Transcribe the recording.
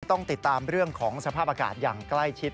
ต้องติดตามเรื่องของสภาพอากาศอย่างใกล้ชิด